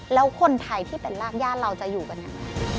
แล้วคนไทยที่เป็นรากญาติเราจะอยู่กันยังไง